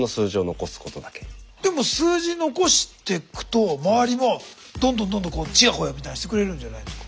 でも数字残してくと周りはどんどんどんどんちやほやみたいにしてくれるんじゃないんですか？